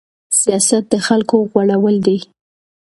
سياست د خلکو غولول دي.